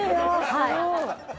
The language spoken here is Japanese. すごい！